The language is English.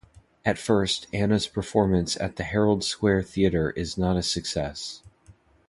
At first, Anna's performance at the Herald Square Theatre is not a success.